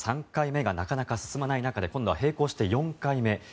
３回目がなかなか進まない中で今度は並行して４回目。